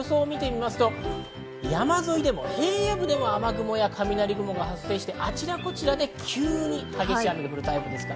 山沿いでも平野部でも雨雲や雷雲が発生してあちこちで急に激しい雨が降るタイプです。